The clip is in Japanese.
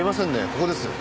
ここです。